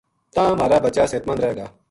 تاں مھارا بچا صحت مند رہ گا